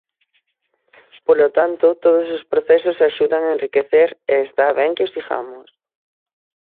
Polo tanto, todos os procesos axudan a enriquecer e está ben que os sigamos.